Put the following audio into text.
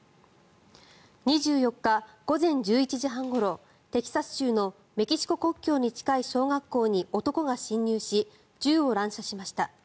２４日、午前１１時半ごろテキサス州のメキシコ国境に近い小学校に男が侵入し銃を乱射しました。